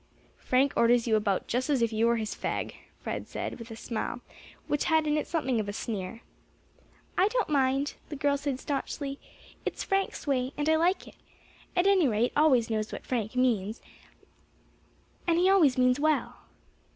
"Frank orders you about just as if you were his fag," Fred said, with a smile which had in it something of a sneer. "I don't mind," the girl said staunchly, "it's Frank's way, and I like it; at any rate one always knows what Frank means, and he always means well."